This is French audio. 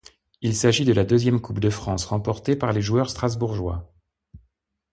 Il s'agit de la deuxième Coupe de France remportée par les joueurs strasbourgeois.